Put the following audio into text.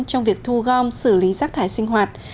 trong việc thu gom xử lý rác thải sinh hoạt